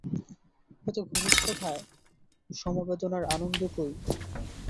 এত ঘনিষ্ঠতায় সমবেদনার আনন্দ কই?